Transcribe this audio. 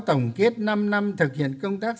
tổng kết năm năm thực hiện công tác